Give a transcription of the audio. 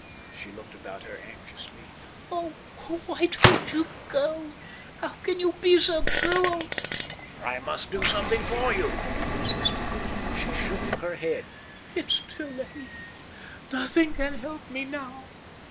She looked about her anxiously. "Oh, why don't you go? How can you be so cruel?" "I must do something for you," he insisted. She shook her head. "It's too late. Nothing can help me now."